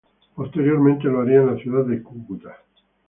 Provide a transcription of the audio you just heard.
Posteriormente lo haría en la ciudad de Cúcuta.